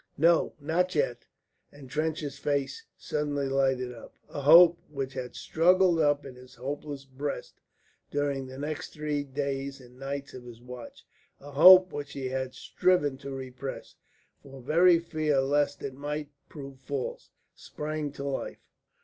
"No, not yet," and Trench's face suddenly lighted up. A hope which had struggled up in his hopeless breast during the three days and nights of his watch, a hope which he had striven to repress for very fear lest it might prove false, sprang to life.